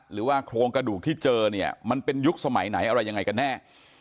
หรือว่าโครงกระดูกที่เจอเนี่ยมันเป็นยุคสมัยไหนอะไรยังไงกันแน่